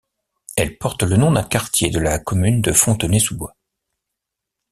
Elle porte le nom d'un quartier de la commune de Fontenay-sous-Bois.